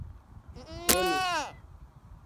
teni